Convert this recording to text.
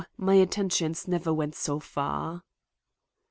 My attentions never went so far."